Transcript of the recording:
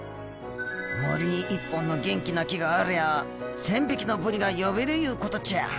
森に一本の元気な木がありゃあ千匹のブリが呼べるいうことちゃ。